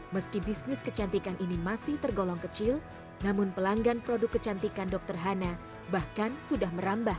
meski bisnis kecantikan ini masih tergolong kecil namun pelanggan produk kecantikan dokter hana bahkan sudah merambah